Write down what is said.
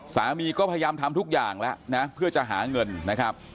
สามีก็พยายามทำทุกอย่างแล้วนะเพื่อจะหาเงินนะครับ